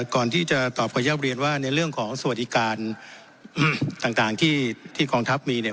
ก่อนที่จะตอบขออนุญาตเรียนว่าในเรื่องของสวัสดิการต่างที่กองทัพมีเนี่ย